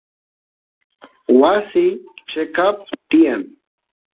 wasiy cheqap tiyan